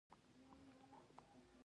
له ستنې تر ټوپکه.